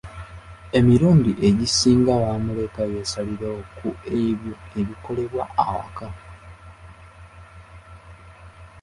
Emilundi egisinga bamuleka yeesalirewo ku ebyo ebikolebwa awaka.